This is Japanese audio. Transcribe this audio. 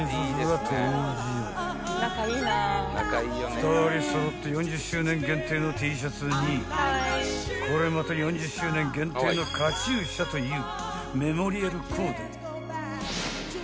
［２人揃って４０周年限定のＴシャツにこれまた４０周年限定のカチューシャという］